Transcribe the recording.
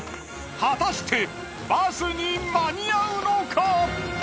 果たしてバスに間に合うのか？